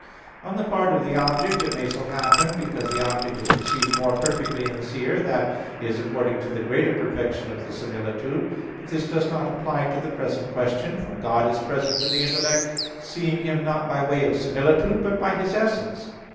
On the part of the object, it may so happen because the object is received more perfectly in the seer, that is, according to the greater perfection of the similitude; but this does not apply to the present question, for God is present to the intellect seeing Him not by way of similitude, but by His essence.